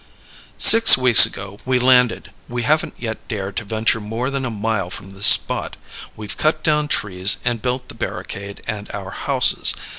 "Six weeks ago we landed. We haven't yet dared to venture more than a mile from this spot. We've cut down trees and built the barricade and our houses.